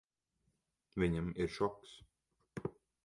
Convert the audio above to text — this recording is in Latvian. Viņam ir šoks.